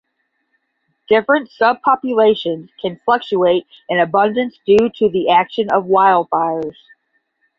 Different subpopulations can fluctuate in abundance due to the action of wildfires.